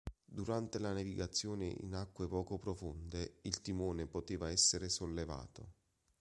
Durante la navigazione in acque poco profonde il timone poteva essere sollevato.